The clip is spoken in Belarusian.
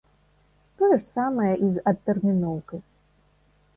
Тое ж самае і з адтэрміноўкай.